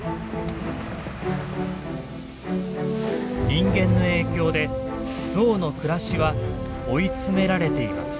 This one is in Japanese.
人間の影響でゾウの暮らしは追い詰められています。